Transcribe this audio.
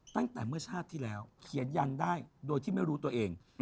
ตั้งแต่เมื่อชาติที่แล้วเขียนยันได้โดยที่ไม่รู้ตัวเอง